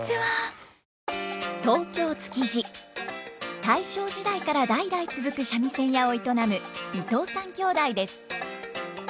東京・築地大正時代から代々続く三味線屋を営む伊藤さん兄弟です。